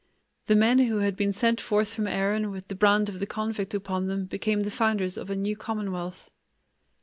The men who had been sent forth from Erin with the brand of the convict upon them became the founders of a new commonwealth.